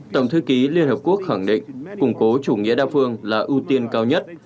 tổng thư ký liên hợp quốc khẳng định củng cố chủ nghĩa đa phương là ưu tiên cao nhất